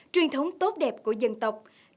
truyền thống tốt đẹp tương thân tương ái